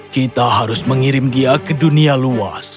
kita harus mengirim dia ke dunia luas